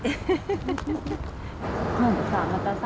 今度さまたさ